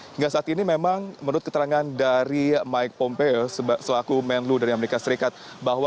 hingga saat ini memang menurut keterangan dari mike pompeo selaku menlu dari amerika serikat bahwa